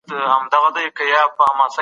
ايا په ټولنه کي سياسي روابط سته؟